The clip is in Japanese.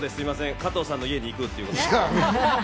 加藤さんの家に行くということ。